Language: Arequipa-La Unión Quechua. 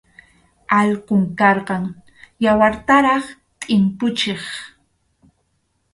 Alqum karqan, yawartaraq tʼimpuchiq.